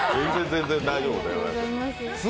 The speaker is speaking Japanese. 全然大丈夫です。